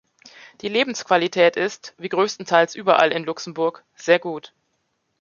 Die Lebensqualität ist, wie größtenteils überall in Luxemburg, sehr gut.